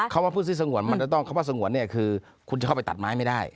ว่าผู้ที่สงวนมันจะต้องคำว่าสงวนเนี่ยคือคุณจะเข้าไปตัดไม้ไม่ได้